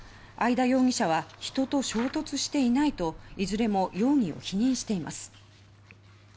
曾田容疑者は「人と衝突していない」といずれも容疑を否認しています。